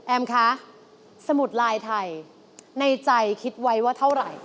คะสมุดลายไทยในใจคิดไว้ว่าเท่าไหร่